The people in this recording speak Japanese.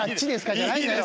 じゃないんだよ。